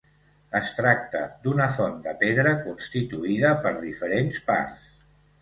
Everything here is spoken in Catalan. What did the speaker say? Es tracta d'una font de pedra, constituïda per diferents parts.